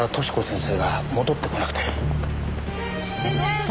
先生！